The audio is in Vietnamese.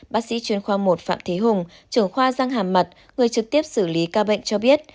bác sĩ chuyên khoa một phạm thế hùng trưởng khoa giang hàm mặt người trực tiếp xử lý ca bệnh cho biết